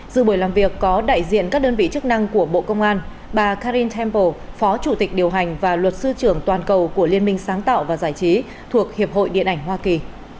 dự buổi làm việc có đại diện các đơn vị chức năng của bộ công an bà karin time phó chủ tịch điều hành và luật sư trưởng toàn cầu của liên minh sáng tạo và giải trí thuộc hiệp hội điện ảnh hoa kỳ